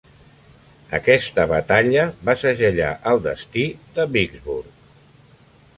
Aquesta batalla va segellar el destí de Vicksburg.